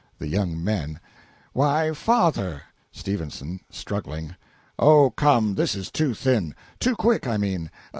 THE YOUNG MEN. Why, father! S. (Struggling.) Oh, come, this is too thin! too quick, I mean.